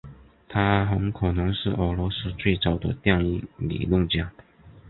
他很可能是俄罗斯最早的电影理论家。